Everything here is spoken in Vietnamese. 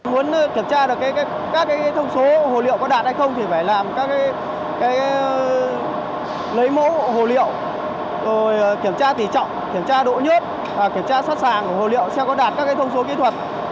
muốn kiểm tra được các thông số hồ liệu có đạt hay không thì phải lấy mẫu hồ liệu kiểm tra tỉ trọng kiểm tra độ nhốt kiểm tra sát sàng của hồ liệu sẽ có đạt các thông số kỹ thuật